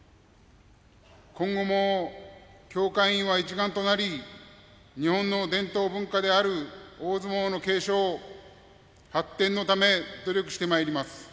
今後も、協会員は一丸となり日本の伝統文化である大相撲の継承・発展のため努力してまいります。